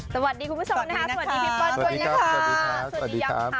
สวัสดีคุณผู้ชมนะคะสวัสดีพี่ปอนด์คุณนะคะสวัสดีครับสวัสดีครับ